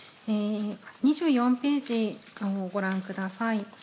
２４ページをご覧ください。